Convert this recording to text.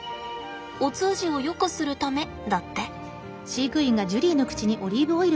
お通じをよくするためだって。